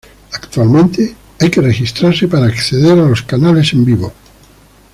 Actualmente, hay que registrarse para acceder a los canales en vivo.